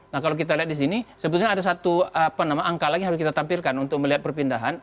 nah kalau kita lihat di sini sebetulnya ada satu angka lagi yang harus kita tampilkan untuk melihat perpindahan